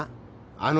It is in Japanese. あの